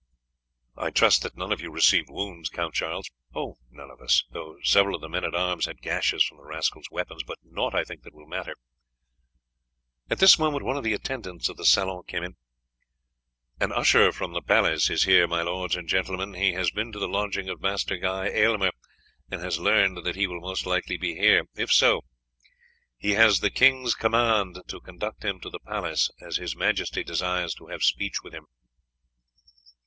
"I trust that none of you received wounds, Count Charles?" "None of us; though several of the men at arms had gashes from the rascals' weapons, but naught, I think, that will matter." At this moment one of the attendants of the salon came in. "An usher from the palace is here, my lords and gentlemen. He has been to the lodging of Master Guy Aylmer, and has learned that he will most likely be here. If so, he has the king's command to conduct him to the palace, as His Majesty desires to have speech with him."